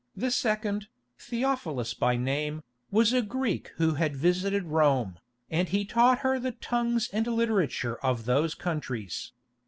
The second, Theophilus by name, was a Greek who had visited Rome, and he taught her the tongues and literature of those countries.